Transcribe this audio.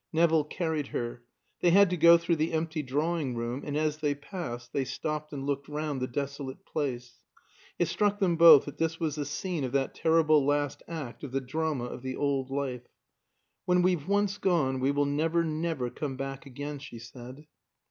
Nevill carried her. They had to go through the empty drawing room, and as they passed they stopped and looked round the desolate place. It struck them both that this was the scene of that terrible last act of the drama of the old life. "When we've once gone we will never, never come back again," she said.